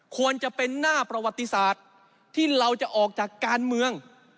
ควรจะเป็นหน้าประวัติศาสตร์ที่เราจะออกจากการเมือง